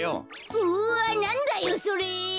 うわなんだよそれ。